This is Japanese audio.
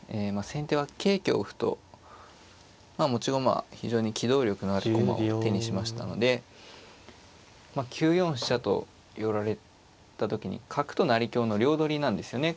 先手は桂香歩とまあ持ち駒非常に機動力のある駒を手にしましたので９四飛車と寄られた時に角と成香の両取りなんですよね。